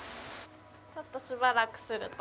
ちょっとしばらくすると。